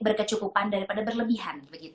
berkecukupan daripada berlebihan